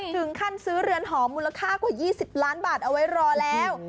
ถึงขั้นซื้อเรือนหอมมูลค่ากว่า๒๐ล้านบาทเอาไว้รอแล้ว